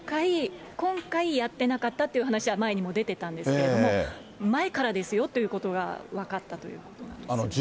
今回やってなかったっていう話は前にも出てたんですけれども、前からですよということが分かったということなんですね。